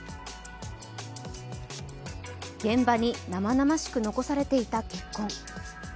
現場に生々しく残されていた血痕。